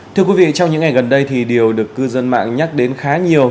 thưa quý vị trong những ngày gần đây thì điều được cư dân mạng nhắc đến khá nhiều